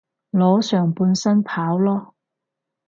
裸上半身跑囉